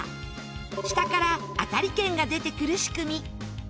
下から当たり券が出てくる仕組み。